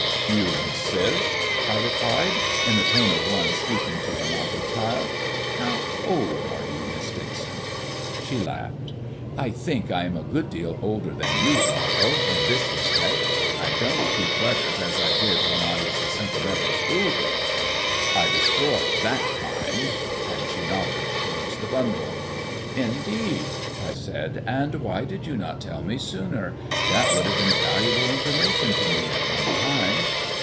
"You insist?" I replied, in the tone of one speaking to a naughty child. "How old are you, Miss Dixon?" She laughed. "I think I am a good deal older than you, Rollo, in this respect; I don't keep letters as I did when I was a sentimental schoolgirl. I destroy that kind." And she nodded towards the bundle. "Indeed?" I said. "And why did you not tell me sooner? That would have been valuable information to me at one time."